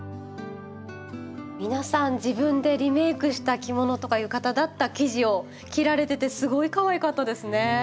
皆さん自分でリメイクした着物とか浴衣だった生地を着られててすごいかわいかったですね。